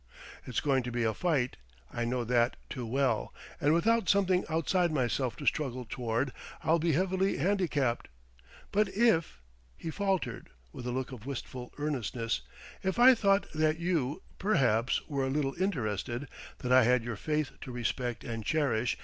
It's going to be a fight I know that too well! and without something outside myself to struggle toward, I'll be heavily handicapped. But if ..." He faltered, with a look of wistful earnestness. "If I thought that you, perhaps, were a little interested, that I had your faith to respect and cherish